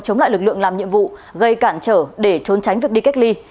chống lại lực lượng làm nhiệm vụ gây cản trở để trốn tránh việc đi cách ly